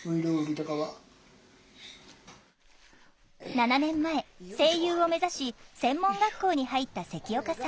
７年前声優を目指し専門学校に入った関岡さん。